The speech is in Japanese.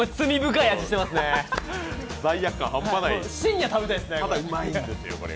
深夜、食べたいですね。